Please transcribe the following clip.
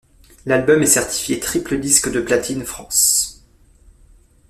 L'album est certifié triple disque de platine France.